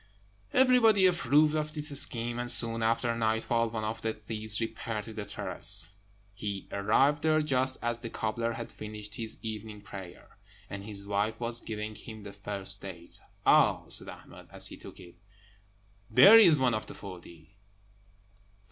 Everybody approved of this scheme; and soon after nightfall one of the thieves repaired to the terrace. He arrived there just as the cobbler had finished his evening prayers, and his wife was giving him the first date. "Ah!" said Ahmed, as he took it, "there is one of the forty."